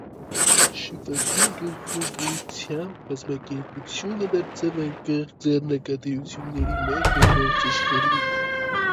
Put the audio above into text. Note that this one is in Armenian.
Շվաբի գլխավորությամբ կազմակերպությունը դարձավ անկախ ձեռնարկատիրություններից մեկը ողջ աշխարհում։